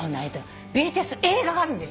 ＢＴＳ映画があるんだよ。